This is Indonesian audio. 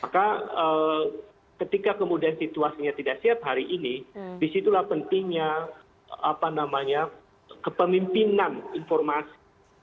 maka ketika kemudian situasinya tidak siap hari ini disitulah pentingnya kepemimpinan informasi